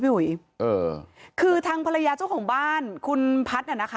อุ๋ยเออคือทางภรรยาเจ้าของบ้านคุณพัฒน์น่ะนะคะ